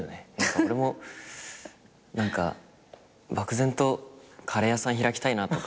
俺も漠然とカレー屋さん開きたいなとか。